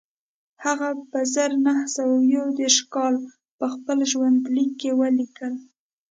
هغه په زر نه سوه یو دېرش کال په خپل ژوندلیک کې ولیکل